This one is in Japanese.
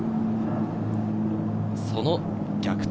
その逆転